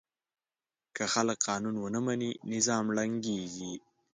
که خلک قانون ونه مني، نظام ړنګېږي.